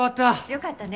良かったね。